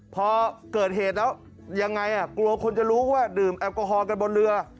พอเกิดเหตุแล้วยังไงกลัวคนจะรู้ว่าดื่มแอลกอฮอลกันบนเรือ